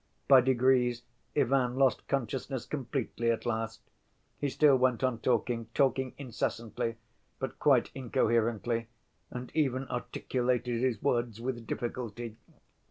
By degrees Ivan lost consciousness completely at last. He still went on talking, talking incessantly, but quite incoherently, and even articulated his words with difficulty.